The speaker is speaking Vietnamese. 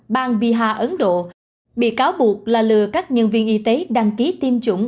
bang biha ấn độ bị cáo buộc là lừa các nhân viên y tế đăng ký tiêm chủng